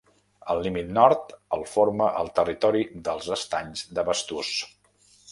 El límit nord el forma el territori dels Estanys de Basturs.